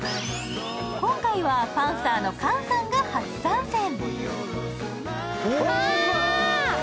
今回はパンサーの菅さんが初参戦。